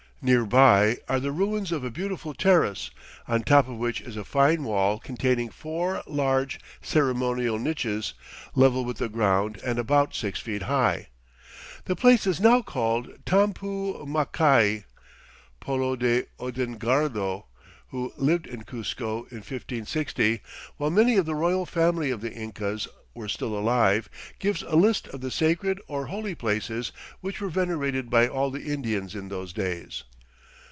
Near by are the ruins of a beautiful terrace, on top of which is a fine wall containing four large, ceremonial niches, level with the ground and about six feet high. The place is now called Tampu Machai. Polo de Ondegardo, who lived in Cuzco in 1560, while many of the royal family of the Incas were still alive, gives a list of the sacred or holy places which were venerated by all the Indians in those days.